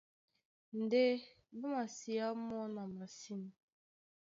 Ndé ɓá masiá mɔ́ na masîn.